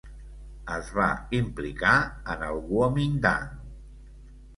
Es va implicar en el Guomindang.